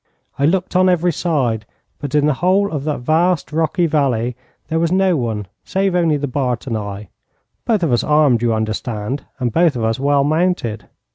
I looked on every side, but in the whole of that vast rocky valley there was no one save only the Bart and I both of us armed, you understand, and both of us well mounted.